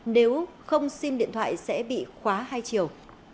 nếu không xin điện thoại sẽ bị khóa hai triệu